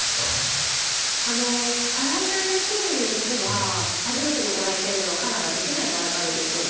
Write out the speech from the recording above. カラー剤の種類によっては初めてのご来店ではカラーができない場合があるんですよ。